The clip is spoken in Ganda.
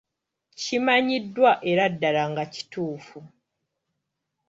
Kimanyiddwa era ddala nga kituufu.